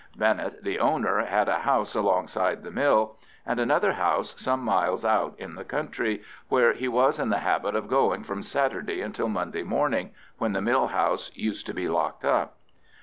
Bennett, the owner, had a house alongside the mill, and another house some miles out in the country, where he was in the habit of going from Saturday until Monday morning, when the mill house used to be locked up.